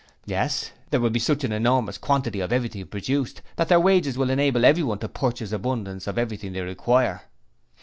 'Yes: there will be such an enormous quantity of everything produced, that their wages will enable everyone to purchase abundance of everything they require.